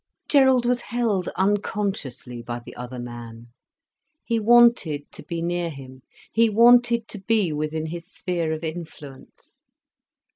Gerald was held unconsciously by the other man. He wanted to be near him, he wanted to be within his sphere of influence.